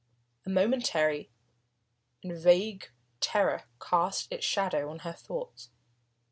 A momentary and vague terror cast its shadow on her thoughts.